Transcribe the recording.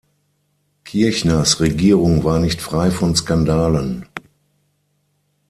Kirchners Regierung war nicht frei von Skandalen.